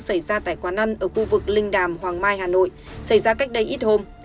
xảy ra tại quán ăn ở khu vực linh đàm hoàng mai hà nội xảy ra cách đây ít hôm